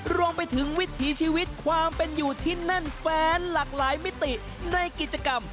รวมไปถึงวิถีชีวิตความเป็นอยู่ที่แน่นแฟนหลากหลายมิติในกิจกรรม